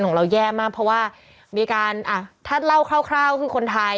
อ๋อทีมงานของเราว่าเขาไปร้านหวงคุณไทย